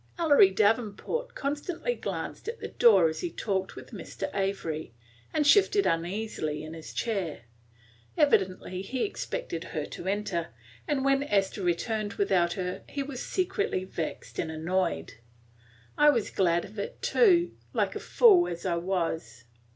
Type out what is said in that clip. Ellery Davenport constantly glanced at the door as he talked with Mr. Avery, and shifted uneasily on his chair; evidently he expected her to enter, and when Esther returned without her he was secretly vexed and annoyed. I was glad of it, too, like a fool as I was.